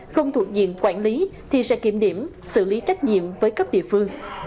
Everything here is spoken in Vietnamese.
không thuộc diện quản lý thì sẽ kiểm điểm xử lý trách nhiệm với cấp địa phương